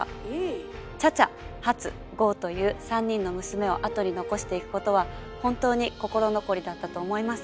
茶々初江という３人の娘を後に残していくことは本当に心残りだったと思います。